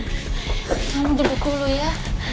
tenang duduk dulu ya